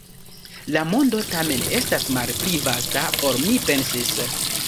La mondo, tamen, estas malpli vasta, ol mi pensis.